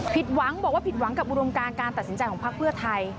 ผิดหวังบอกว่าผิดหวังกับอุดมการการตัดสินใจของพักเพื่อไทย